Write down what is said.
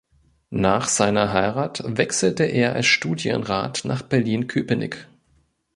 Nach seiner Heirat wechselte er als Studienrat nach Berlin-Köpenick.